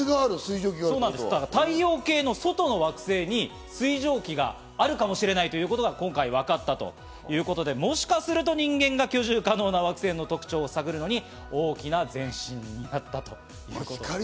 太陽系の外の惑星に水蒸気があるかもしれないということが今回、わかったということで、もしかすると人間が居住可能な惑星の特徴を探るのに大きな前進だったということです。